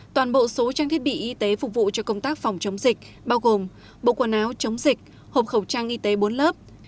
toàn bộ số trang thiết bị y tế phục vụ cho công tác phòng chống dịch bao gồm bộ quần áo chống dịch hộp khẩu trang y tế bốn lớp